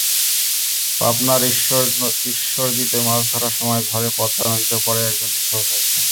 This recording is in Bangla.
পাবনার ঈশ্বরদীতে মাছ ধরার সময় ঝড়ে পদ্মা নদীতে পড়ে একজন নিখোঁজ রয়েছেন।